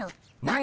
何！？